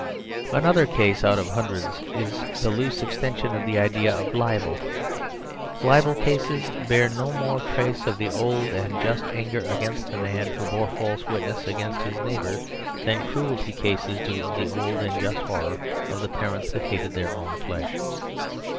Another case out of hundreds is the loose extension of the idea of libel. Libel cases bear no more trace of the old and just anger against the man who bore false witness against his neighbour than "cruelty" cases do of the old and just horror of the parents that hated their own flesh.